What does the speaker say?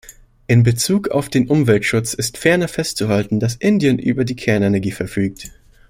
In Bezug auf den Umweltschutz ist ferner festzuhalten, dass Indien über die Kernenergie verfügt.